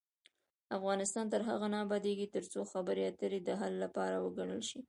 افغانستان تر هغو نه ابادیږي، ترڅو خبرې اترې د حل لار وګڼل شي.